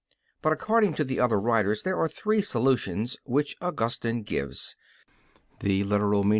But according to the other writers there are three solutions, which Augustine gives (Gen. ad lit.